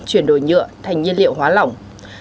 chuyển đổi nhựa thành nhân liệu hóa lỏng